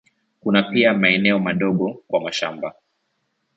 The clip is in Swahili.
Kuna pia maeneo madogo kwa mashamba.